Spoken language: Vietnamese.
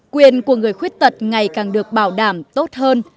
quyền của người khuyết tật ngày càng được bảo đảm tốt hơn